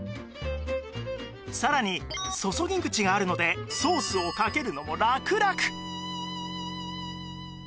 さらに注ぎ口があるのでソースをかけるのもラクラク